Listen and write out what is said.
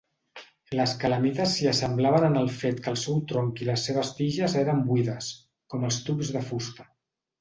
Les calamites s'hi assemblaven en el fet que el seu tronc i les seves tiges eren buides, com els tubs de fusta.